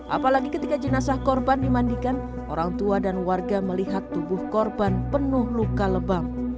apalagi ketika jenazah korban dimandikan orang tua dan warga melihat tubuh korban penuh luka lebam